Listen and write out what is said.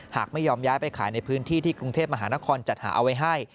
หากไม่ยอมย้ายไปขายในพื้นที่ที่กรุงเทพมหานครจัดหาเอาไว้ให้